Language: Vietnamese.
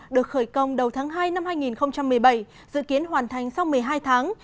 được khởi công đầu tháng hai năm hai nghìn một mươi bảy dự kiến hoàn thành sau một mươi hai tháng